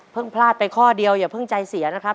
พลาดไปข้อเดียวอย่าเพิ่งใจเสียนะครับ